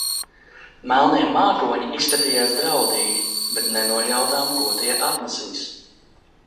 Melnie mākoņi izskatījās draudīgi, bet nenojautām, ko tie atnesīs.